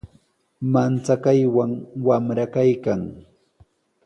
Manchakaywan wamra kaykan.